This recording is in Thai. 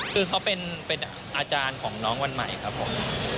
คือเขาเป็นอาจารย์ของน้องวันใหม่ครับผม